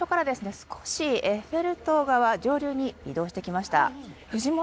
少しエッフェル塔側上流に移動してきました